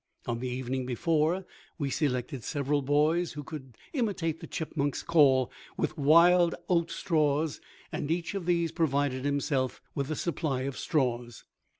On the evening before, we selected several boys who could imitate the chipmunk's call with wild oat straws and each of these provided himself with a supply of straws.